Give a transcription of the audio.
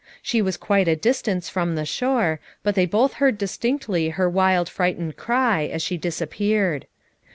She was quite a distance from the shore, but they both heard distinctly her wild frightened cry, as she disappeared.